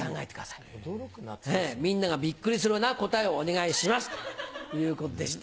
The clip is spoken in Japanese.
「みんながビックリするような答えをお願いします」ということでした。